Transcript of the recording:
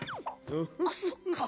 あっそっか。